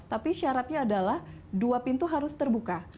tapi syaratnya adalah dua pintu harus terbuka